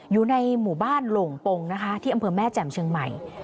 อยู่ในหมู่บ้านหลงปงนะคะที่อำเภอแม่แจ่มเชียงใหม่